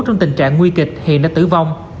trong tình trạng nguy kịch hiện đã tử vong